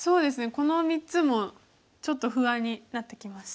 この３つもちょっと不安になってきました。